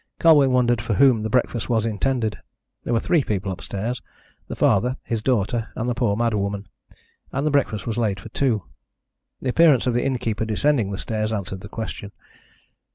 Colwyn wondered for whom the breakfast was intended. There were three people upstairs the father, his daughter, and the poor mad woman, and the breakfast was laid for two. The appearance of the innkeeper descending the stairs, answered the question.